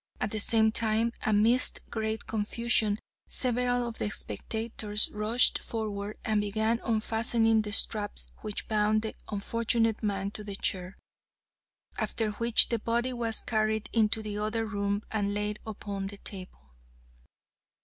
At the same time, amidst great confusion, several of the spectators rushed forward and began unfastening the straps which bound the unfortunate man to the chair, after which the body was carried into the other room and laid upon the table.